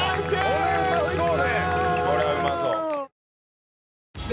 これはうまそう。